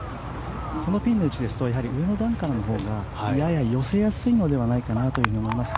このピンの位置ですと上からのほうがやや寄せやすいのではないかなと思います。